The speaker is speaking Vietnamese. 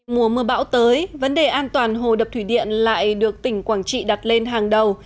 mùa mưa bão tới vấn đề an toàn hồ đập thủy điện lại được tỉnh quảng trị đặt lên hàng đầu